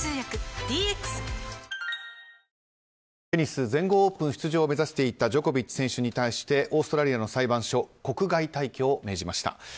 テニス、全豪オープン出場を目指していたジョコビッチ選手に対してオーストラリアの裁判所国外退去を命じました。